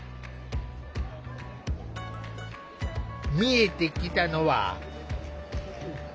見えてきたのは。